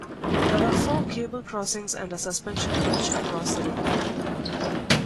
There are four cable crossings and a suspension bridge across the river.